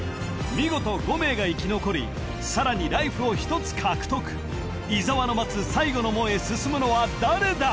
見事５名が生き残りさらにライフを１つ獲得伊沢の待つ最後の門へ進むのは誰だ？